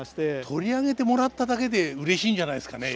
取り上げてもらっただけでうれしいんじゃないですかね